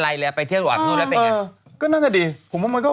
ไรเลยอ่ะไปเที่ยวหลวงนู้นแล้วเป็นไงเออก็น่าจะดีผมว่ามันก็